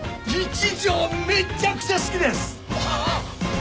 一条めっちゃくちゃ好きです！